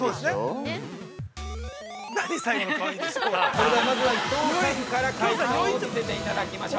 ◆それでは、まずは伊藤さんから解答を見せていただきましょう。